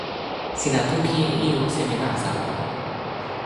sina toki e ijo seme nasa?